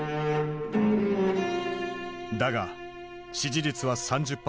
だが支持率は３０％。